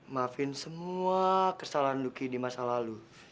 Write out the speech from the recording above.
maafin semua kesalahan luki di masa lalu